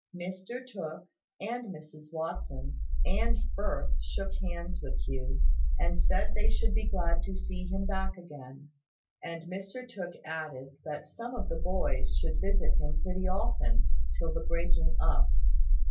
Mr Tooke, and Mrs Watson, and Firth shook hands with Hugh, and said they should be glad to see him back again: and Mr Tooke added that some of the boys should visit him pretty often till the breaking up.